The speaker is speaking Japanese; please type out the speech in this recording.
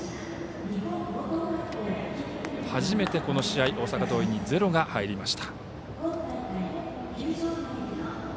初めてこの試合大阪桐蔭にゼロが入りました。